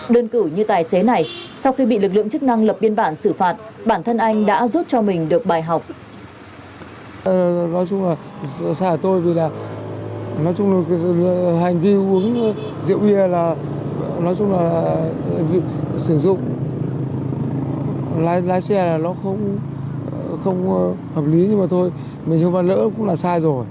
đơn cử như tài xế này sau khi bị lực lượng chức năng lập biên bản xử phạt bản thân anh đã rút cho mình được bài học